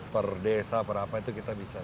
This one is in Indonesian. per desa per apa itu kita bisa lihat